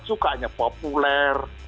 suka hanya populer